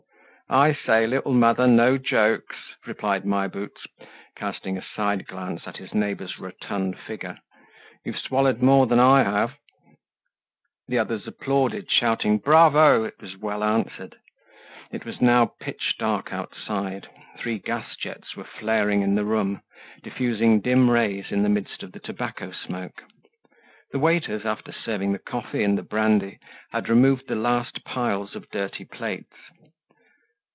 "I say, little mother, no jokes," replied My Boots, casting a side glance at his neighbor's rotund figure. "You've swallowed more than I have." The others applauded, shouting "Bravo!"—it was well answered. It was now pitch dark outside, three gas jets were flaring in the room, diffusing dim rays in the midst of the tobacco smoke. The waiters, after serving the coffee and the brandy, had removed the last piles of dirty plates.